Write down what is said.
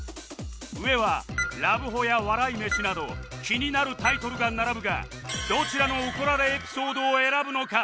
上はラブホや笑い飯など気になるタイトルが並ぶがどちらの怒られエピソードを選ぶのか？